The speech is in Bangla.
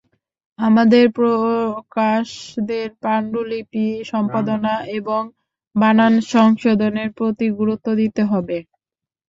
আমাদের প্রকাশকদের পাণ্ডুলিপি সম্পাদনা এবং বানান সংশোধনের প্রতি গুরুত্ব দিতে হবে।